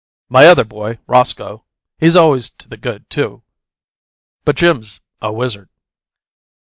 My other boy, Roscoe, he's always to the good, too, but Jim's a wizard.